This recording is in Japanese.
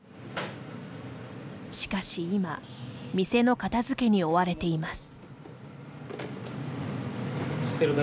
しかし今店の片づけに追われています。